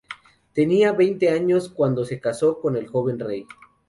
Tenía veinte años cuando se casó con el joven rey.